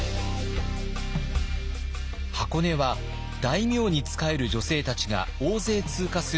箱根は大名に仕える女性たちが大勢通過する場所でもありました。